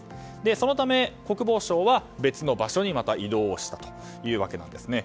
そのため、国防省は別の場所にまた移動をしたというわけなんですね。